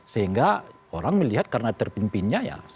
sehingga orang melihat karena terpimpinnya itu tidak ada perlakuannya